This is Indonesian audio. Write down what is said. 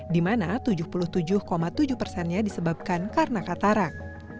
di mana tujuh puluh tujuh tujuh persennya disebabkan karena katarak